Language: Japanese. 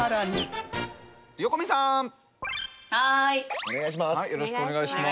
お願いします。